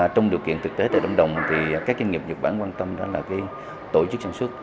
trong điều kiện thực tế tại lâm đồng thì các doanh nghiệp nhật bản quan tâm đó là tổ chức sản xuất